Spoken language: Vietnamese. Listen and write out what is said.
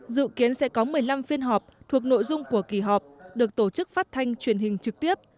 dự kiến sẽ có một mươi năm phiên họp thuộc nội dung của kỳ họp được tổ chức phát thanh truyền hình trực tiếp